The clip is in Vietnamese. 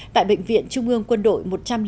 tại bệnh viện trung ương quân đội một trăm linh